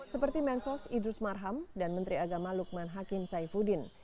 seperti mensos idrus marham dan menteri agama lukman hakim saifuddin